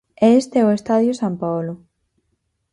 E este é o estadio San Paolo.